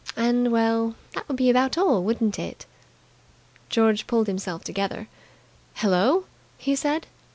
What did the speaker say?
And well, that would be about all, wouldn't it?" George pulled himself together. "Hello!" he said.